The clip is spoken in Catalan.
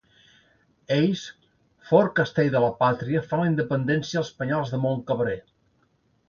Ells, fort castell de la pàtria, fan la independència als penyals del Montcabrer.